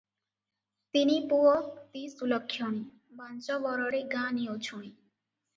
ତିନିପୁଅ ତୀ ସୁଲକ୍ଷଣୀ ବାଞ୍ଝବରଡ଼ୀ ଗାଁ ନିଉଛୁଣୀ ।